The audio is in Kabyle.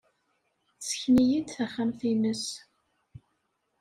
Tessken-iyi-d taxxamt-nnes.